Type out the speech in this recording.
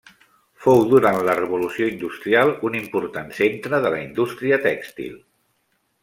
Fou durant la Revolució industrial un important centre de la indústria tèxtil.